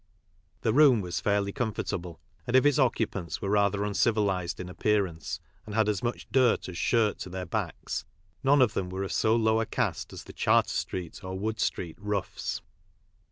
The room was fairly comfortable, and if its occupants were rather uncivilised in appearance, and had as much dirt as shirt to their backs, none of them were of so low a cast as the (Jharter street or Wood street roughs.